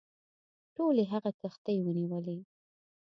ټولي هغه کښتۍ ونیولې.